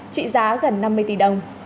trị giá gần năm mươi tỷ đồng